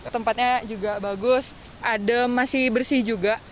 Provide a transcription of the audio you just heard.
tempatnya juga bagus adem masih bersih juga